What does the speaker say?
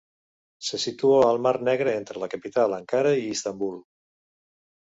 Se situa al Mar Negre entre la Capital Ankara i Istanbul.